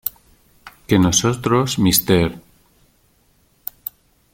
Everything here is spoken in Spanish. Que nosotros "Mr.